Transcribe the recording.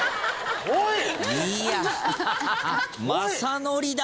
おい！